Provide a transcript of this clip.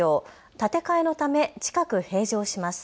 建て替えのため近く閉場します。